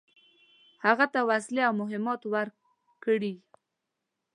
هغه ته وسلې او مهمات ورکړي.